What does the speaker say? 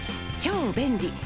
超便利！